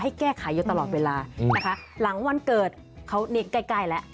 แก้ไขอยู่ตลอดเวลานะคะหลังวันเกิดเขานี่ใกล้ใกล้แล้ว